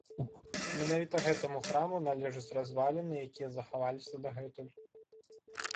Менавіта гэтаму храму належаць разваліны, якія захаваліся дагэтуль.